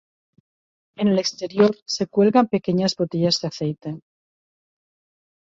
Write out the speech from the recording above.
En el exterior se cuelgan pequeñas botellas de aceite.